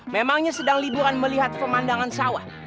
memangnya sedang liburan melihat pemandangan sawah